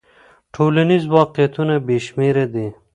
ټولنیز واقعیتونه بې شمېره دي.